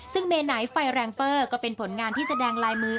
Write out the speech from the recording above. ซึ่งเมนัยไฟแรงเฟอร์ก็เป็นผลงานที่แสดงลายมือ